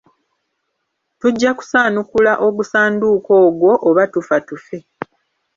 Tujja kusaanukula ogusanduuko ogwo oba tufa tufe.